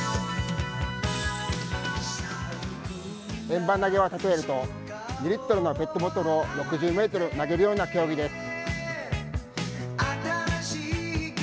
円盤投をたとえて言うと、２リットルのペットボトルを６０ｍ投げるような競技です。